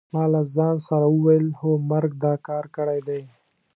ما له ځان سره وویل: هو مرګ دا کار کړی دی.